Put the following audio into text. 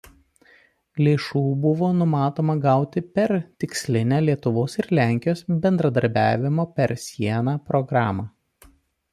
Lėšų buvo numatoma gauti per tikslinę Lietuvos ir Lenkijos bendradarbiavimo per sieną programą.